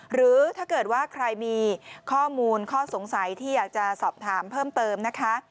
หรือถ้าเกิดว่าใครมีข้อมูลข้อสงสัยที่อยากจะสอบถามเพิ่มเติมนะคะ